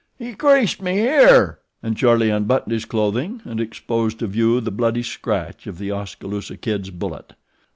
He creased me, here," and Charlie unbuttoned his clothing and exposed to view the bloody scratch of The Oskaloosa Kid's bullet.